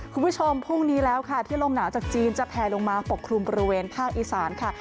คุณผู้ชมพรุ่งนี้แล้วค่ะที่ลมหนาวจากจีนจะแพลลงมาปกคลุมบริเวณภาคอีสานค่ะ